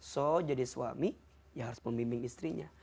so jadi suami ya harus membimbing istrinya